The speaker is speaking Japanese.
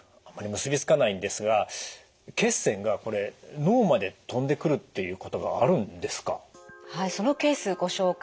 あまり結び付かないんですが血栓がこれ脳までとんでくるっていうことがあるんですか？